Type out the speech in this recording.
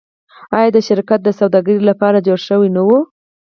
آیا دا شرکت د سوداګرۍ لپاره جوړ شوی نه و؟